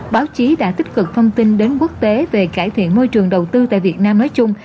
báo chí đã tích cực thông tin đến quốc tế về cải thiện môi trường đầu tư tại việt nam nói chung